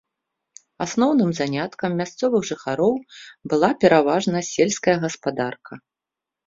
Асноўным заняткам мясцовых жыхароў была пераважна сельская гаспадарка.